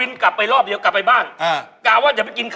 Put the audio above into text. ผมขอให้ช่วยเคียร์บ้านไม่ใช่ไปเคียร์